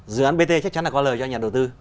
dự án bt chắc chắn là có lời cho nhà đầu tư